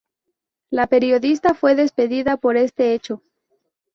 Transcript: La periodista fue despedida por este hecho.